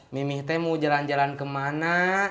mimih teh mau jalan jalan kemana